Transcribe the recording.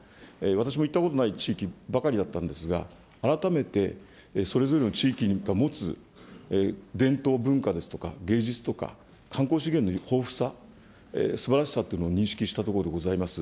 私も行ったことない地域ばかりだったんですが、改めてそれぞれの地域が持つ伝統文化ですとか、芸術とか、観光資源の豊富さ、素晴らしさというのを認識したところでございます。